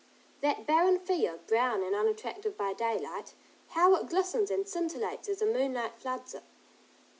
That barren field, brown and unattractive by daylight, how it glistens and scintillates as the moonlight floods it.